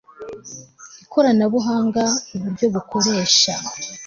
ikoranabuhanga uburyo bukoresha